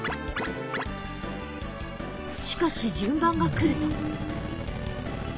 しかし順番がくると。